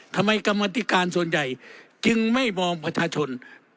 ทำไมกรรมธิการส่วนใหญ่จึงไม่มองประชาชน